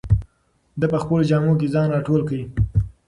ده په خپلو جامو کې ځان راټول کړ.